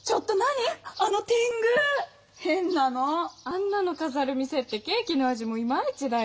あんなのかざる店ってケーキの味もイマイチだよ！